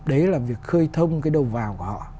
đấy là việc khơi thông cái đầu vào của họ